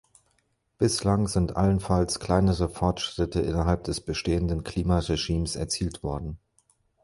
Bislang sind allenfalls kleinere Fortschritte innerhalb des bestehenden Klima-Regimes erzielt worden.